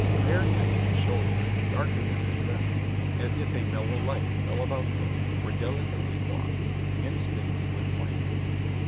Bare neck and shoulder, darker than her dress, as if a mellow light fell about them, were delicately wrought, instinct with life.